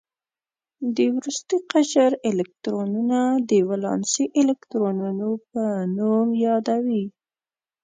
د وروستي قشر الکترونونه د ولانسي الکترونونو په نوم یادوي.